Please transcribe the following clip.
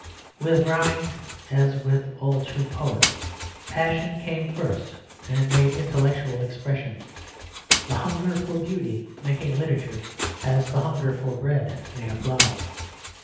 With Browning, as with all true poets, passion came first and made intellectual expression, the hunger for beauty making literature as the hunger for bread made a plough.